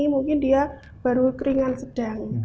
mungkin dia baru keringan sedang